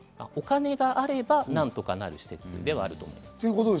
お金があれば何とかなる施設ではあると思います。